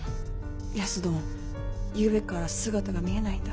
安どんゆうべから姿が見えないんだ。